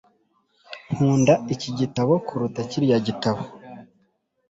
Nkunda iki gitabo kuruta kiriya gitabo